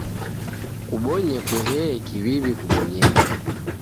Kubonye kuhee kiw'iw'I kubonyere